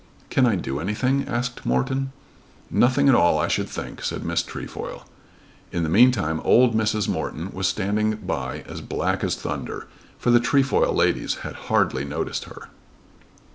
"Can I do anything?" asked Morton. "Nothing at all I should think," said Miss Trefoil. In the meantime old Mrs. Morton was standing by as black as thunder for the Trefoil ladies had hardly noticed her.